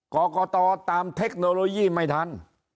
ก่อก่อต่อตามเทคโนโลยีไม่ทัน